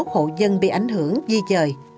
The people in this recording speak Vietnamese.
một trăm bảy mươi một hộ dân bị ảnh hưởng di trời